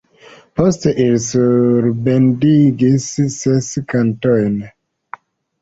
Poste ili surbendigis ses kantojn.